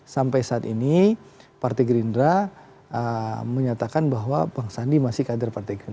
sampai saat ini partai gerindra menyatakan bahwa bang sandi masih kader partai gerindra